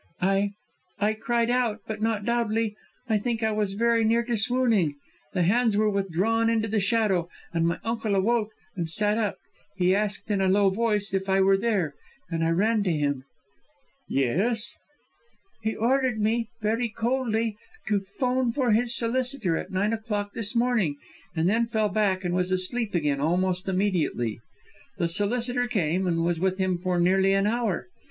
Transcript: "I I cried out, but not loudly I think I was very near to swooning. The hands were withdrawn into the shadow, and my uncle awoke and sat up. He asked, in a low voice, if I were there, and I ran to him." "Yes." "He ordered me, very coldly, to 'phone for his solicitor at nine o'clock this morning, and then fell back, and was asleep again almost immediately. The solicitor came, and was with him for nearly an hour.